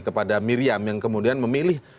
kepada miriam yang kemudian memilih